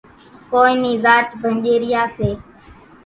ڪونئين نِي زاچ ڀنڄيريا سي۔